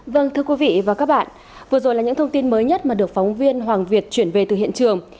vâng thưa quý vị và các bạn vừa rồi là những thông tin mới nhất mà được phóng viên hoàng việt chuyển về từ hiện trường